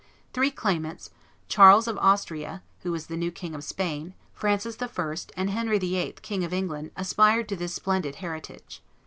Three claimants, Charles of Austria, who was the new King of Spain, Francis I., and Henry VIII., King of England, aspired to this splendid heritage.